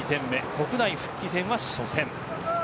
国内復帰戦は初戦です。